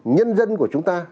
nhân dân của chúng ta